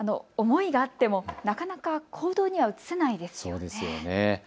思いがあってもなかなか行動には移せないですよね。